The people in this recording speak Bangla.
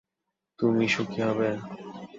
তুমি সুখী হবে।